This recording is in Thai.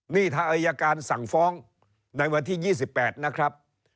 นี่ถ้าอายการสั่งฟ้องในวันที่๒๘นะครับ